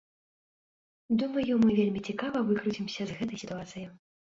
Думаю, мы вельмі цікава выкруцімся з гэтай сітуацыі.